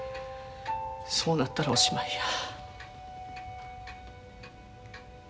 そうなったらおしまいや。